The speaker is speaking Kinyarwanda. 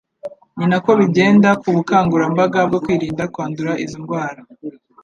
Ni nako bigenda ku bukangurambaga bwo kwirinda kwandura izo ndwara.